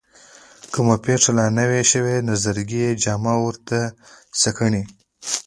کومه پېښه لا نه وي شوې نظرګي یې جامه ورته سکڼي.